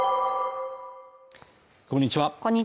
こんにちは